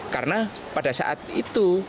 karena pada saat itu